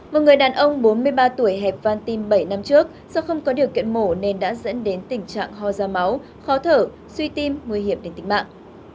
một người đàn ông bốn mươi ba tuổi hẹp van tim bảy năm trước do không có điều kiện mổ nên đã dẫn đến tình trạng ho ra máu khó thở suy tim nguy hiểm đến tính mạng